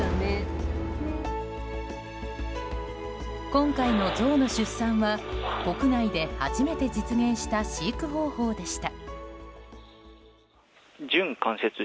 今回のゾウの出産は国内で初めて実現した飼育方法でした。